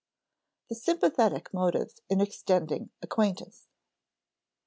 [Sidenote: The sympathetic motive in extending acquaintance] I.